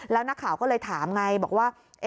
แล้วนักข่าวก็เลยถามไงบอกว่า